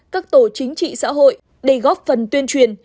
các tổ chính trị xã hội để góp phần tuyên truyền